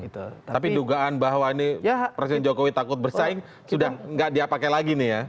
tapi dugaan bahwa ini presiden jokowi takut bersaing sudah tidak diapakai lagi nih ya